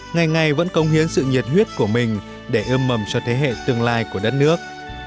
ngày ngày vẫn công hiến sự nhiệt huyết của mình để ươm mầm cho thế hệ tương lai của đất nước